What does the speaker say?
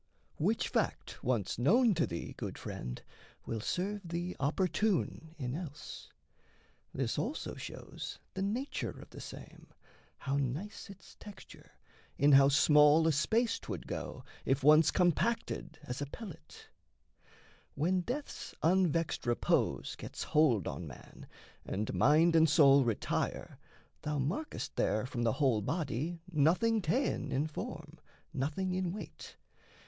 Which fact once known to thee, Good friend, will serve thee opportune in else. This also shows the nature of the same, How nice its texture, in how small a space 'Twould go, if once compacted as a pellet: When death's unvexed repose gets hold on man And mind and soul retire, thou markest there From the whole body nothing ta'en in form, Nothing in weight.